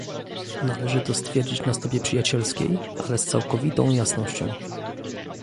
Należy to stwierdzić na stopie przyjacielskiej, ale z całkowitą jasnością